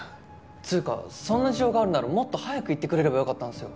つうかそんな事情があるならもっと早く言ってくれればよかったんすよ。